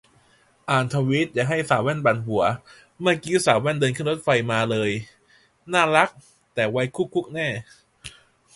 อ่านทวีตอย่าให้สาวแว่นปั่นหัวเมื่อกี๊ สาวแว่นเดินขึ้นรถไฟฟ้ามาเลย น่ารัก แต่วัยคุกคุกแน่